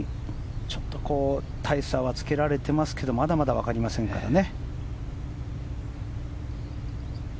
ちょっと大差はつけられていますけどまだまだわかりませんからね。